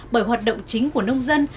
bởi hoạt động chính của nông dân